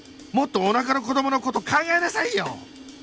もっとおなかの子供の事考えなさいよ！